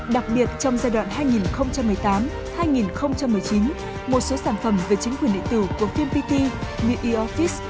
đặc biệt trong giai đoạn hai nghìn một mươi tám hai nghìn một mươi chín một số sản phẩm về chính quyền địa tử của vmpt eoffice